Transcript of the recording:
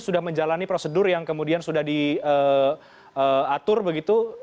sudah menjalani prosedur yang kemudian sudah diatur begitu